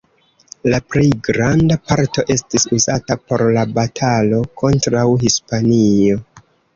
La plej granda parto estis uzata por la batalo kontraŭ Hispanio.